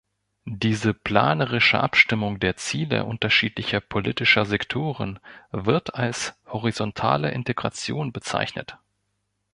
Diese planerische Abstimmung der Ziele unterschiedlicher politischer Sektoren wird als „horizontale Integration“ bezeichnet.